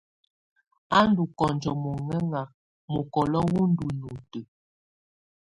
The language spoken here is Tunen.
Á ndɔ kɔnjo mɔŋɛŋa, mukɔlo wɔ ndɔ nutǝ.